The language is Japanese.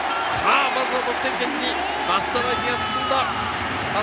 まずは得点圏に増田大輝が進んだ。